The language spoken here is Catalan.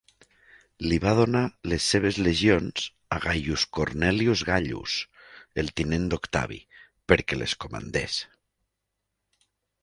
Li va donar les seves legions a Gaius Cornelius Gallus, el tinent d'Octavi, perquè les comandés.